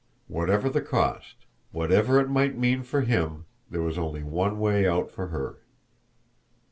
Whatever the cost, whatever it might mean for him there was only one way out for her.